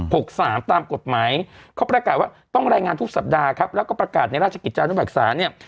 หกสามตามกฎหมายเขาประกาศว่าต้องรายงานทุกสัปดาห์ครับแล้วก็ประกาศในราชกิจจานุเบกษาเนี่ย